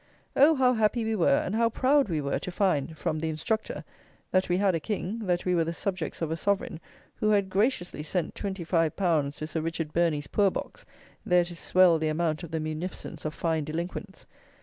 Oh! how happy we were, and how proud we were, to find (from the "instructor") that we had a king, that we were the subjects of a sovereign, who had graciously sent twenty five pounds to Sir Richard Birnie's poor box, there to swell the amount of the munificence of fined delinquents!